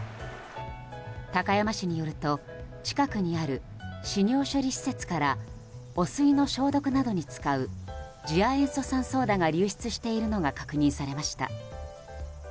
高山市によると、近くにあるし尿処理施設から汚水の消毒などに使う次亜塩素酸ソーダが流出しているのが確認されました。